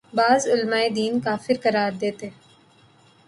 بعض علماے دین کافر قرار دیتے